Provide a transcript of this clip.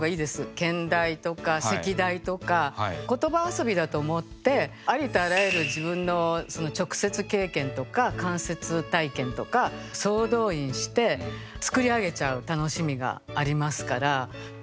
兼題とか席題とか言葉遊びだと思ってありとあらゆる自分の直接経験とか間接体験とか総動員して作り上げちゃう楽しみがありますから大好きですね